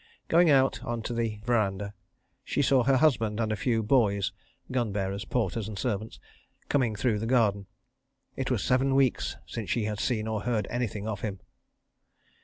Going out on to the verandah, she saw her husband and a few "boys" (gun bearers, porters, and servants) coming through the garden. It was seven weeks since she had seen or heard anything of him.